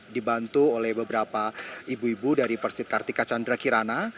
dibantu oleh beberapa ibu ibu dari persit kartika chandra kirana